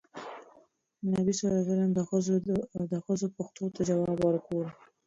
نبي ﷺ د ښځو پوښتنو ته ځواب ورکول.